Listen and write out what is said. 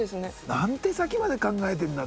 何手先まで考えてんだ？